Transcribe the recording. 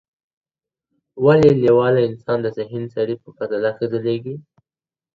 ولي لېواله انسان د ذهین سړي په پرتله ښه ځلېږي؟